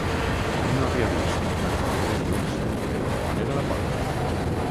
Mai no havia vist tants llibres junts, però on era la porta?